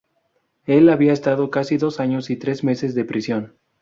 Él había estado casi dos años y tres meses de prisión.